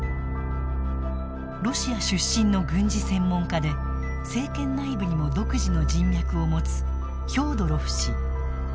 ロシア出身の軍事専門家で政権内部にも独自の人脈を持つフョードロフ氏。